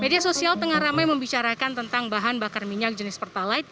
media sosial tengah ramai membicarakan tentang bahan bakar minyak jenis pertalite